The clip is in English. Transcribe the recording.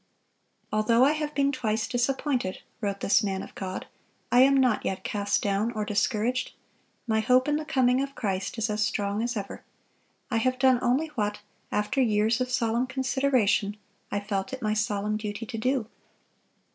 "Although I have been twice disappointed," wrote this man of God, "I am not yet cast down or discouraged.... My hope in the coming of Christ is as strong as ever. I have done only what, after years of solemn consideration, I felt it my solemn duty to do.